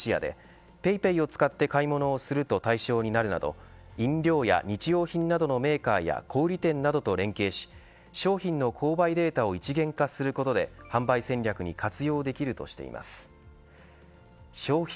また実店舗ではスーパーオーケーやドラッグストア、ウエルシアでＰａｙＰａｙを使って買い物をすると対象になるなど飲料や日用品などのメーカーや小売店などと連携し商品の購買データを一元化することで販売戦略に活用できるとしています。